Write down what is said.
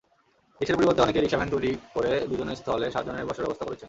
রিকশার পরিবর্তে অনেকেই রিকশাভ্যান তৈরি করে দুজনের স্থলে সাতজনের বসার ব্যবস্থা করেছেন।